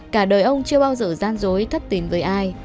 cả đời ông chưa bao giờ gian dối thất tin với ai